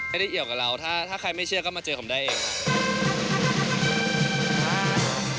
ไม่ได้เกี่ยวกับเราถ้าใครไม่เชื่อก็มาเจอผมได้เองครับ